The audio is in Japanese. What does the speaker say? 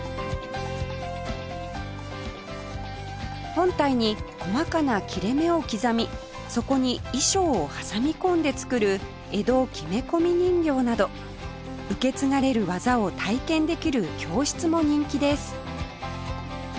本体に細かな切れ目を刻みそこに衣装を挟み込んで作る江戸木目込人形など受け継がれる技を体験できる教室も人気です